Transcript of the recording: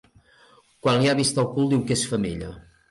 Quan li ha vist el cul diu que és femella.